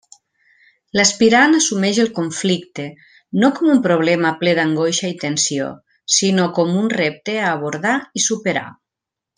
L'aspirant assumix el conflicte, no com un problema ple d'angoixa i tensió, sinó com un repte a abordar i superar.